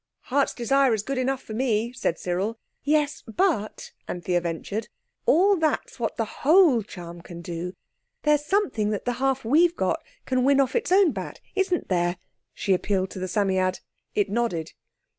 "Heart's desire is good enough for me," said Cyril. "Yes, but," Anthea ventured, "all that's what the whole charm can do. There's something that the half we've got can win off its own bat—isn't there?" She appealed to the Psammead. It nodded.